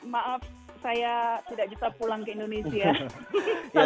maaf saya tidak bisa pulang ke indonesia